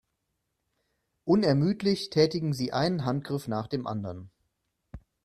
Unermüdlich tätigen sie einen Handgriff nach dem anderen.